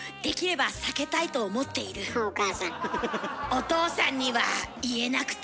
お父さんには言えなくて。